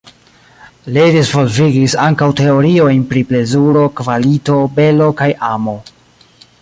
Li disvolvigis ankaŭ teoriojn pri plezuro, kvalito, belo kaj amo.